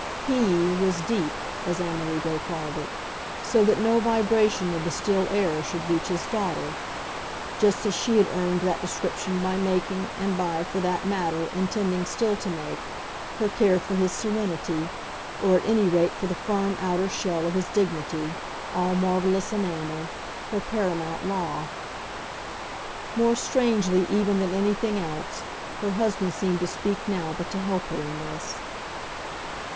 HE was "deep," as Amerigo called it, so that no vibration of the still air should reach his daughter; just as she had earned that description by making and by, for that matter, intending still to make, her care for his serenity, or at any rate for the firm outer shell of his dignity, all marvellous enamel, her paramount law. More strangely even than anything else, her husband seemed to speak now but to help her in this.